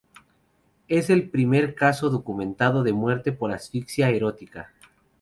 Es el primer caso documentado de muerte por asfixia erótica.